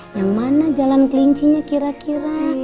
yang mana jalan kelincinya kira kira